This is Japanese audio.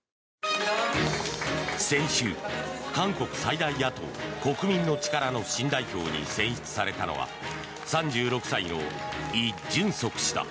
先週、韓国最大野党国民の力の新代表に選出されたのは３６歳のイ・ジュンソク氏だ。